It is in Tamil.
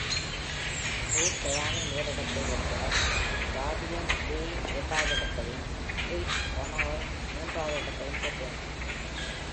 True Duane முதலிடத்தை வென்றார், Cardigan Bay இரண்டாவது இடத்தையும், Bret Hanover மூன்றாவது இடத்தையும் பெற்றனர்.